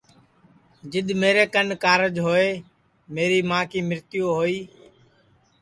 جِدؔ میرے کن کاررج ہوئے میری ماں کی مرتیو ہوئی